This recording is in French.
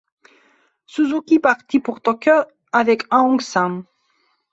Suzuki partit pour Tokyo avec Aung San.